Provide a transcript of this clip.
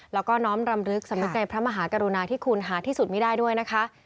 แล้วก็น้อมรำลึกสำนึกในพระมหากรุณาที่คุณหาที่สุดไม่ได้ด้วยนะคะ